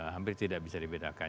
hampir tidak bisa dibedakan